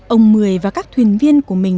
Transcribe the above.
ông mười và các thuyền viên của mình